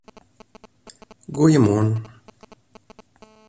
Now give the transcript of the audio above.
Goeiemoarn!